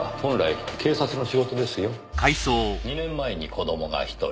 ２年前に子供が１人。